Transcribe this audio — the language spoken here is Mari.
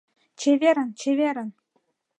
Чеверын, чеверын.